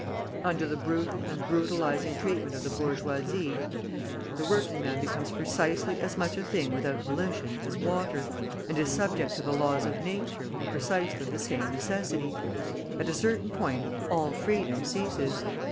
Under the brutal and brutalising treatment of the bourgeoisie, the working man becomes precisely as much a thing without volition as water, and is subject to the laws of nature with precisely the same necessity; at a certain point all freedom ceases.